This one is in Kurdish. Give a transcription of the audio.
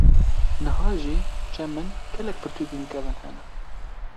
niha jî cem min gelek pirtukên kevn hene.